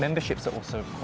membership juga baru